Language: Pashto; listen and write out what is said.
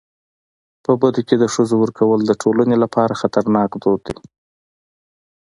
په بدو کي د ښځو ورکول د ټولني لپاره خطرناک دود دی.